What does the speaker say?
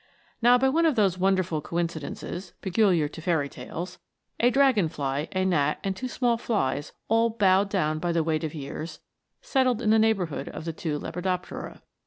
Now, by one of those wonderful coincidences peculiar to fairy tales, a dragon fly, a gnat, and two small flies, all bowed down by weight of years, settled in the neighbourhood of the two lepidoptera.